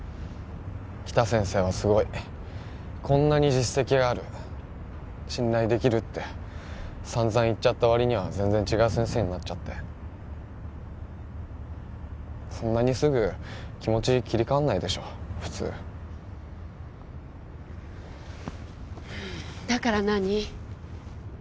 北先生はスゴイこんなに実績がある信頼できるって散々言っちゃったわりには全然違う先生になっちゃってそんなにすぐ気持ち切り替わんないでしょ普通だからなに？